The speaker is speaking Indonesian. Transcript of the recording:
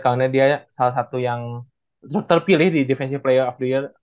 karena dia salah satu yang terpilih di defensive player of the year